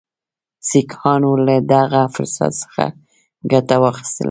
سیکهانو له دغه فرصت څخه ګټه واخیستله.